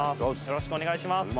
よろしくお願いします